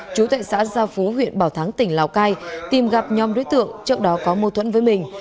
chú tại xã gia phú huyện bảo thắng tỉnh lào cai tìm gặp nhóm đối tượng trước đó có mâu thuẫn với mình